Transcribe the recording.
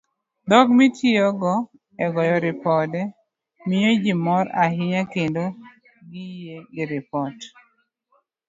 Dhok mitiyogo e goyo ripode, miyo ji mor ahinya kendo giyie gi ripot.